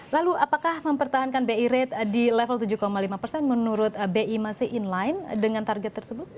lalu apakah mempertahankan bi rate di level tujuh lima persen menurut bi masih inline dengan target tersebut